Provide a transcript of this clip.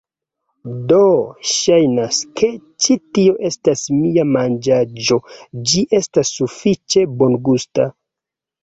Do, ŝajnas, ke ĉi tio estas mia manĝaĵo ĝi estas sufiĉe bongusta